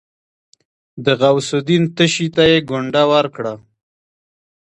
د غوث الدين تشي ته يې ګونډه ورکړه.